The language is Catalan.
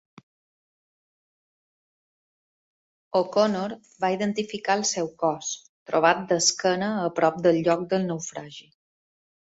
O'Conor va identificar el seu cos, trobat d'esquena a prop del lloc del naufragi.